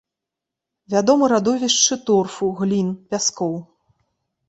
Вядомы радовішчы торфу, глін, пяскоў.